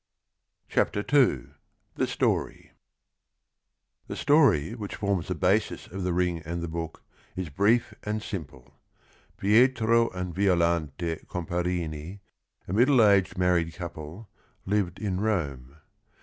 CHAPTER II THE STOHY The story which forms the basis of The Ring and the Book is brief and simple. Pietro and Violante Comparing a__middle aged married couple, lived in Rome.